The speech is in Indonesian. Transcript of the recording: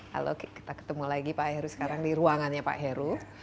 halo kita ketemu lagi pak heru sekarang di ruangannya pak heru